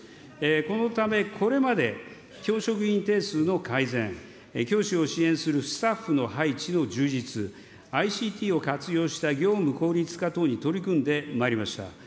このため、これまで、教職員定数の改善、教師を支援するスタッフの配置の充実、ＩＣＴを活用した業務効率化等に取り組んでまいりました。